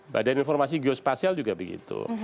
badan informasi geospasial juga begitu